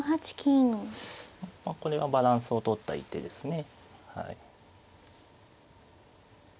これはバランスをとった一手ですね。